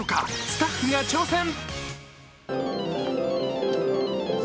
スタッフが挑戦。